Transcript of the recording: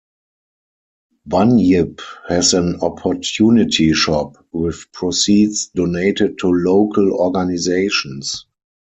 Bunyip has an "opportunity shop", with proceeds donated to local organisations.